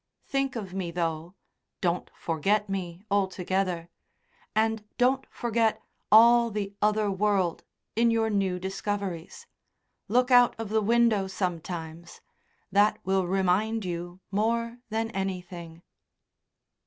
Think of me, though. Don't forget me altogether. And don't forget all the other world in your new discoveries. Look out of the window sometimes. That will remind you more than anything."